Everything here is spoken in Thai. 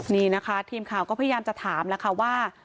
นี่นะคะทีมข่าวก็พยายามจะถามว่า